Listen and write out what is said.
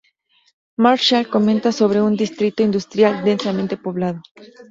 Marshall comenta sobre un... ""distrito industrial densamente poblado"".